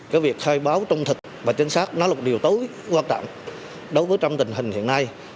cái việc khai báo trung thực và chính xác nó là một điều tối quan trọng đối với trong tình hình hiện nay